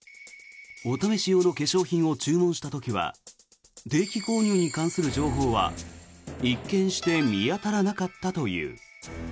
お試し用の化粧品を注文した時は定期購入に関する情報は一見して見当たらなかったという。